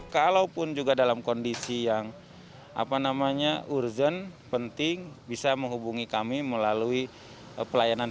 kalaupun juga dalam kondisi yang apa namanya urgent penting bisa menghubungi kami melalui pelayanan